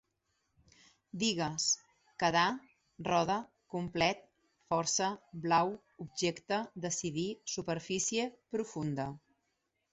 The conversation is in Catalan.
Digues: quedar, roda, complet, força, blau, objecte, decidir, superfície, profunda